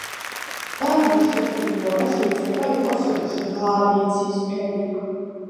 ბალნის შეფერილობა შეიძლება იყოს ჟღალი, ცისფერი.